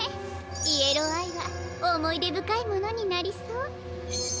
イエローアイはおもいでぶかいものになりそう。